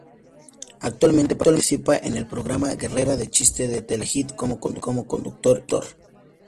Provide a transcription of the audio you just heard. Actualmente participa en el programa Guerra de chistes de Telehit como conductor y productor.